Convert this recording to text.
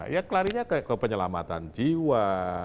ya larinya ke penyelamatan jiwa